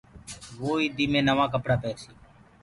وو ايدي مي نوآ ڪپڙآ پيرسي۔